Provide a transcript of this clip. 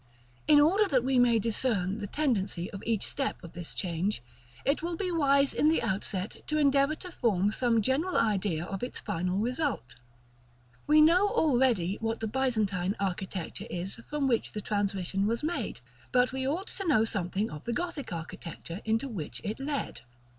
In order that we may discern the tendency of each step of this change, it will be wise in the outset to endeavor to form some general idea of its final result. We know already what the Byzantine architecture is from which the transition was made, but we ought to know something of the Gothic architecture into which it led.